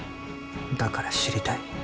だから知りたい。